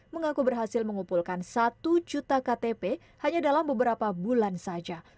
mengaku berhasil mengumpulkan satu juta ktp hanya dalam beberapa bulan saja